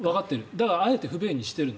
だからあえて不便にしてるの。